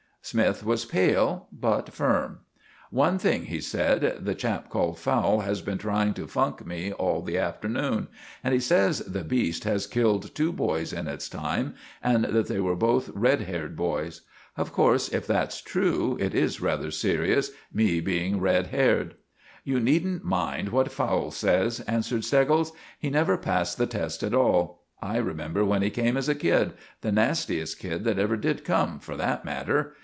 Smythe was pale, but firm. "One thing," he said, "the chap called Fowle has been trying to funk me all the afternoon, and he says the beast has killed two boys in its time, and that they were both red haired boys. Of course, if that's true, it is rather serious, me being red haired." "You needn't mind what Fowle says," answered Steggles; "he never passed the test at all. I remember when he came as a kid—the nastiest kid that ever did come, for that matter.